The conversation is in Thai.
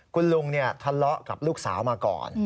คุณลุงทะเลาะกับลูกสาวมาก่อน